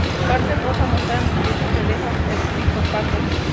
Por su parte, Rosa, mujer ambiciosa, se deja seducir por Paco.